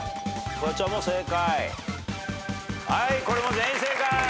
これも全員正解。